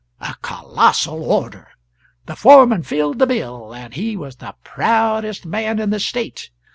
A colossal order! The foreman filled the bill; and he was the proudest man in the State.